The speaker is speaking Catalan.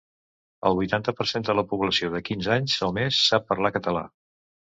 El vuitanta per cent de la població de quinze anys o més sap parlar català.